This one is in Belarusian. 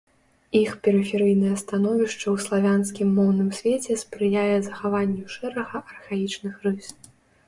Іх перыферыйнае становішча ў славянскім моўным свеце спрыяе захаванню шэрага архаічных рыс.